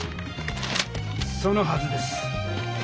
そのはずです。